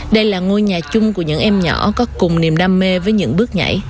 đây là ngôi nhà chung của những em nhỏ có cùng niềm đam mê với những bước nhảy